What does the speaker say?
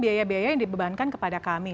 biaya biaya yang dibebankan kepada kami